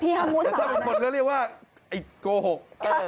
พี่ทำหมูสาแล้วแต่ถ้าเป็นคนก็เรียกว่าไอ้โกหก